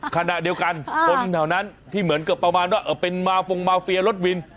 ขณะเดียวกันคนแถวนั้นที่เหมือนกับประมาณว่าเป็นมาฟงมาเฟียรถวิน